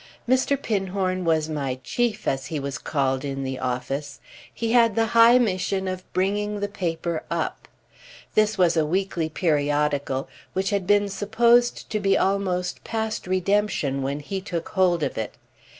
Mr. Pinhorn was my "chief," as he was called in the office: he had the high mission of bringing the paper up. This was a weekly periodical, which had been supposed to be almost past redemption when he took hold of it.